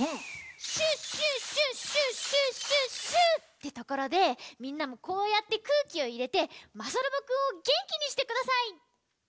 「シュッシュッシュッシュッシュッシュッシュッ」ってところでみんなもこうやってくうきをいれてまさロボくんをげんきにしてください！